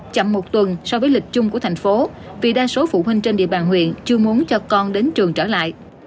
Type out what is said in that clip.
chậm một tuần so với lịch chung của thành phố vì đa số phụ huynh trên địa bàn huyện chưa muốn cho con đến trường trở lại